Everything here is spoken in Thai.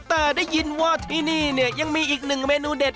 แต่ได้ยินว่าที่นี่เนี่ยยังมีอีกหนึ่งเมนูเด็ด